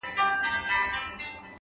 گراني چي ستا سره خبـري كوم.